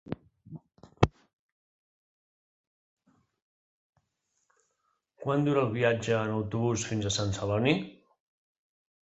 Quant dura el viatge en autobús fins a Sant Celoni?